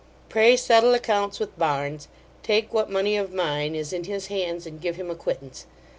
Pray settle accompts with Barnes; take what money of mine is in his hands, and give him acquittance.